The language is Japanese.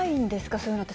そういうのって、